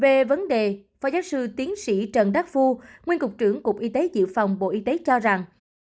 về vấn đề phó giáo sư tiến sĩ trần đắc phu nguyên cục trưởng cục y tế dự phòng bộ y tế cho rằng